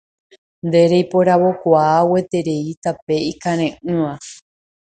Nde reiporavokuaa gueterei tape ikareʼỹva